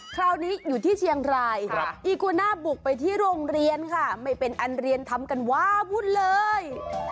คราวนี้อยู่ที่เชียงรายอีกูน่าบุกไปที่โรงเรียนค่ะไม่เป็นอันเรียนทำกันว้าวุ่นเลย